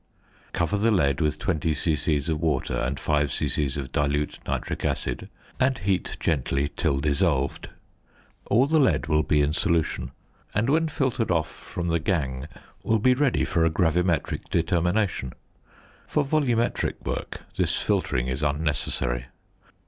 Cover the lead with 20 c.c. of water and 5 c.c. of dilute nitric acid, and heat gently till dissolved; all the lead will be in solution, and, when filtered off from the gangue, will be ready for a gravimetric determination. For volumetric work this filtering is unnecessary.